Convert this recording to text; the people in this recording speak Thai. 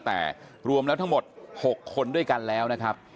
แต่รวมแล้วทั้งหมด๖คนด้วยกันแล้วนะครับ